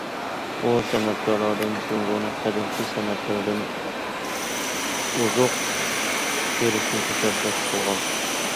ئۇ سەنئەتكارلاردىن جۇڭگونىڭ قەدىمكى سەنئەتلىرىدىن ئوزۇق ئېلىشنى تەشەببۇس قىلغان.